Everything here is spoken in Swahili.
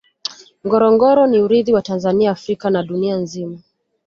ngorongoro ni urithi wa tanzania africa na dunia nzima